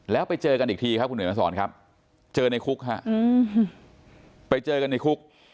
แล้วไปเจอกันอีกทีครับคุณเหนือมาสอนครับเจอในคุกฮะไปเจอกันในคุก